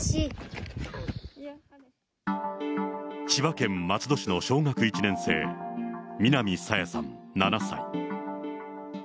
千葉県松戸市の小学１年生、南朝芽さん７歳。